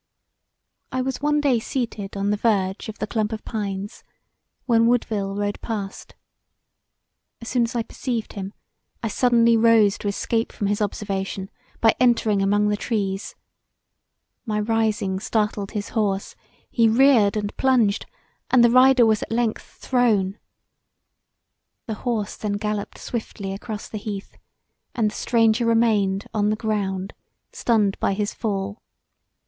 I was one day seated on the verge of the clump of pines when Woodville rode past. As soon as I perceived him I suddenly rose to escape from his observation by entering among the trees. My rising startled his horse; he reared and plunged and the Rider was at length thrown. The horse then galopped swiftly across the heath and the stranger remained on the ground stunned by his fall.